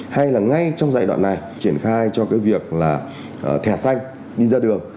hay là ngay trong giai đoạn này triển khai cho cái việc là thẻ xanh đi ra đường